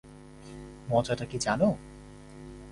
মজাটা কি জানো?